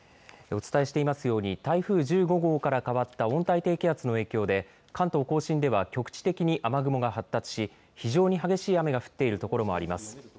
お伝えしていますように台風１５号から変わった温帯低気圧の影響で関東甲信では局地的に雨雲が発達し非常に激しい雨が降っているところもあります。